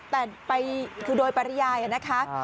แต่ไปคือโดยปริยายนะคะ